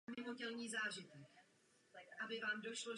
Patří k velmi malým obcím.